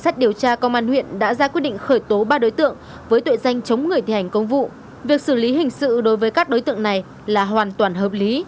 theo các chuyên gia việc gia tăng tình trạng chống người thi hành công vụ trong thời gian qua có nhiều nguyên nhân